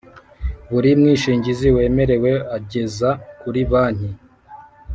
Buri mwishingizi wemerewe ageza kuri banki